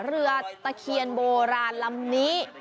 เรือตะเคียนโบราณลำนี้